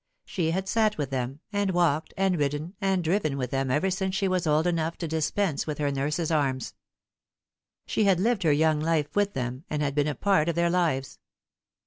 She had sat with them, and walked and ridden and driven with them ever since she was old enough to dispense with her nurse's arms. She had lived her young life with them, and had been a part of their lives.